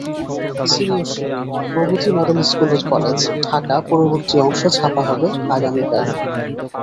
Senior শিক্ষক, Pragati model school and college, ঢাকাপরবর্তী অংশ ছাপা হবে আগামীকাল।